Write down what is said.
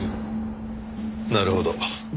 なるほど。